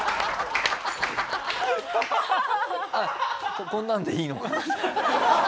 ここんなんでいいのかな？